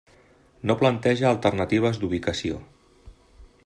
No planteja alternatives d'ubicació.